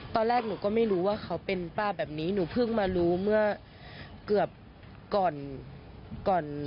ตอนแรกหนูก็ไม่รู้ว่าเขาเป็นป้าแบบนี้หนูเพิ่งมารู้เมื่อเกือบก่อนก่อน